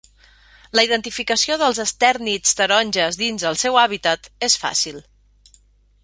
La identificació dels estèrnids taronges dins el seu hàbitat és fàcil.